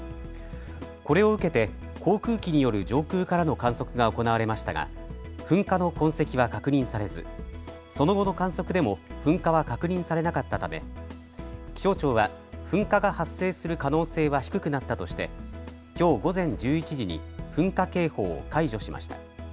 これを受けて航空機による上空からの観測が行われましたが噴火の痕跡は確認されずその後の観測でも噴火は確認されなかったため、気象庁は噴火が発生する可能性は低くなったとして、きょう午前１１時に噴火警報を解除しました。